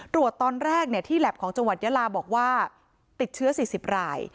ตรวจตอนแรกที่แล็บของจังหวัดยาลาบอกว่าติดเชื้อ๔๐ราย